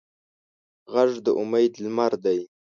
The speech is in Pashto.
غږ د امید لمر دی